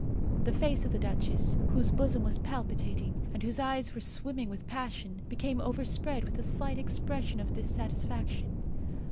The face of the duchess, whose bosom was palpitating, and whose eyes were swimming with passion, became overspread with a slight expression of dissatisfaction.